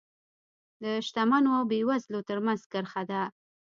د شتمنو او بېوزلو ترمنځ کرښه ده.